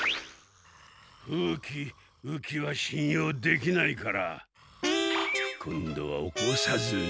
風鬼雨鬼はしんようできないから今度は起こさずに。